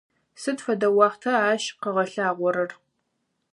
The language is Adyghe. Сыд фэдэ уахъта ащ къыгъэлъагъорэр?